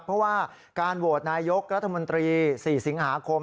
เพราะว่าการโหวตนายกรัฐมนตรี๔สิงหาคม